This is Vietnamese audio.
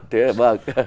thế là vâng